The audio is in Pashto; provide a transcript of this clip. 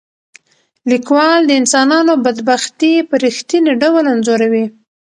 لیکوال د انسانانو بدبختي په رښتیني ډول انځوروي.